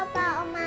dadah opa omah